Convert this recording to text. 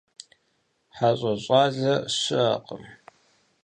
ХьэщӀэ щӀалэ щыӀэкъым.